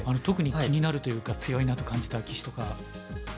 特に気になるというか強いなと感じた棋士とか。